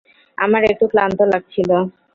আমার একটু ক্লান্ত লাগছিল।